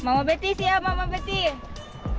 mama betis ya mama betis